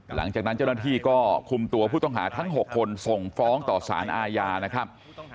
หลังจากนั้นเจ้าหน้าที่ก็คุมตัวผู้ต้องหาทั้ง๖คนส่งฟ้องต่อสารอาญานะครับ